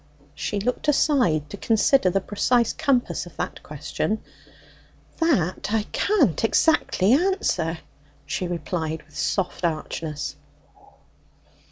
She looked aside to consider the precise compass of that question. "That I can't exactly answer," she replied with soft archness.